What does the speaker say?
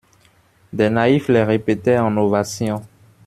Des naïfs les répétaient en ovation.